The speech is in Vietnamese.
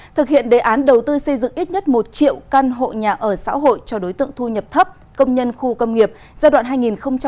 thực hiện đề án đầu tư xây dựng ít nhất một triệu căn hộ nhà ở xã hội cho đối tượng thu nhập thấp công nhân khu công nghiệp giai đoạn hai nghìn một mươi một hai nghìn hai mươi